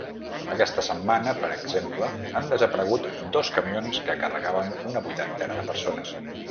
Aquesta setmana, per exemple, han desaparegut dos camions que carregaven una vuitantena de persones.